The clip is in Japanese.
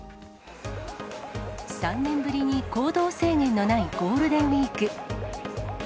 ３年ぶりに行動制限のないゴールデンウィーク。